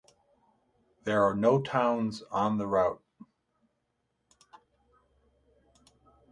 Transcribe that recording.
There are no towns on the route.